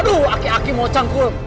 aduh aki aki mau cangkul